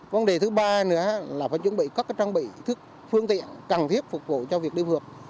vấn đề thứ ba nữa là phải chuẩn bị các trang bị phương tiện cần thiết phục vụ cho việc đưa vượt